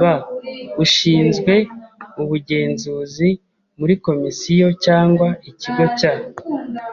b. Ushinzwe ubugenzuzi muri Komisiyo cyangwa ikigo cya